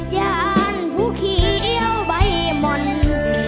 ยานภูเขียวใบมนต์